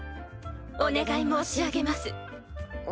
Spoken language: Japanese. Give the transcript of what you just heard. お願い申し上げます。